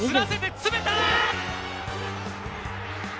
詰めた！